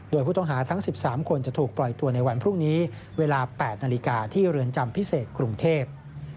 โดยผู้ต้องหาทั้ง๑๓คนจะถูกปล่อยตัวในวันพรุ่งนี้เวลา๘นาฬิกาที่เรือนจำพิเศษกรุงเทพ